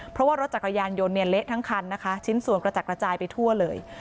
เพราะว่ารถจักรยานยนต์เนี่ยเละทั้งคันนะคะชิ้นส่วนกระจัดกระจายไปทั่วเลย